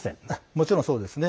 もちろんそうですね。